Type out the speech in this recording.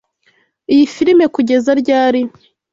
Iyi firime kugeza ryari?